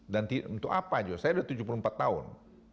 dan itu untuk apa saya sudah tujuh puluh empat tahun